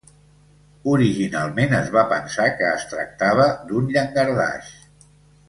Originalment es va pensar que es tractava d'un llangardaix.